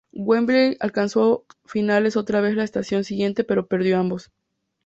Wembley alcanzó ambas finales otra vez la estación siguiente pero perdió ambos.